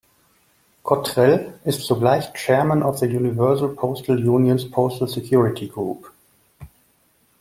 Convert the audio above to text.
Cottrell ist zugleich "Chairman of the Universal Postal Union’s Postal Security Group".